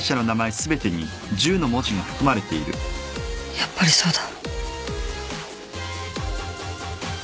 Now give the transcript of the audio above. やっぱりそうだ。